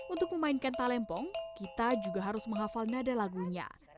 untuk memainkan talempong kita juga harus menghafal nada lagunya